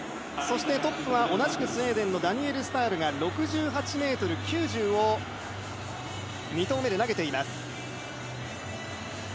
トップは同じくスウェーデンのダニエル・スタールが６８ｍ９０を２投目で投げています。